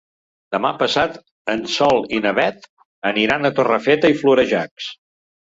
Demà passat en Sol i na Beth aniran a Torrefeta i Florejacs.